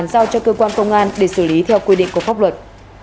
giao cho cơ quan công an để xử lý theo quy định của pháp luật